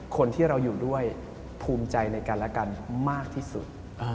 คนที่เราอยู่ด้วยภูมิใจในกันและกันมากที่สุด